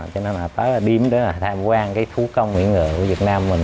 cho nên là tới là điểm tới là tham quan cái thú công mỹ ngựa của việt nam mình